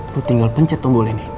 tuh tinggal pencet tombol ini